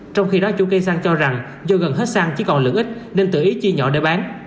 trong khi đó chủ cây xăng cho rằng do gần hết xăng chỉ còn lượng ít nên tự ý chia nhỏ để bán